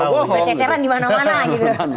berceceran di mana mana gitu